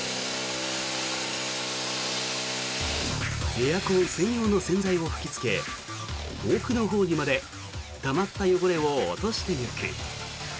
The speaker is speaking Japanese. エアコン専用の洗剤を吹きつけ奥のほうにまでたまった汚れを落としていく。